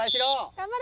頑張れ！